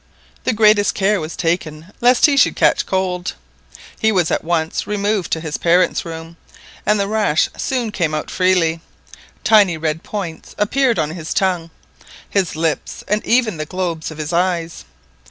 The greatest care was taken lest he should catch cold; he was at once removed to his parents' room, and the rash soon came out freely. Tiny red points appeared on his tongue, his lips, and even on the globes of his eyes.